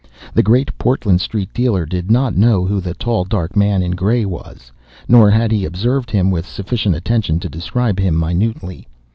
The Great Portland Street dealer did not know who the tall dark man in grey was, nor had he observed him with sufficient attention to describe him minutely.